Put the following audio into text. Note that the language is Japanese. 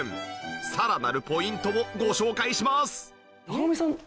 さらなるポイントをご紹介します。